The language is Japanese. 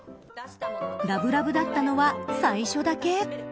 ラブラブだったのは最初だけ。